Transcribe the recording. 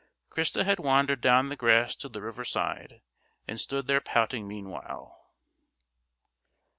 Christa had wandered down the grass to the river side and stood there pouting meanwhile.